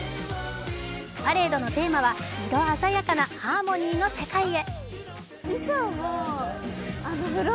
パレードのテーマは「色あざやかなハーモニーの世界へ」。